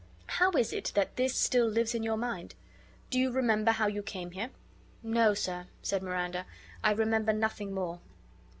How is it that this still lives in your mind? Do you remember how you came here?" "No, sir," said Miranda, "I remember nothing more."